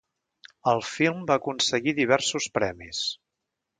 El film va aconseguir diversos premis.